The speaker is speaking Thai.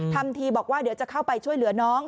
ทำทีบอกว่าเดี๋ยวจะเข้าไปช่วยเหลือน้อง